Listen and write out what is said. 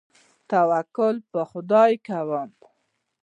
توکل په خدای کوئ؟